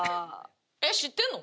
えっ知ってるの？